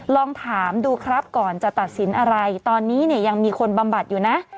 ลองถามดูครับก่อนจะตัดสินอะไรตอนนี้เนี่ยยังมีคนบำบัดอยู่นะ